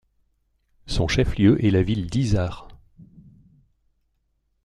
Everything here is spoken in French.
Son chef-lieu est la ville d'Hisar.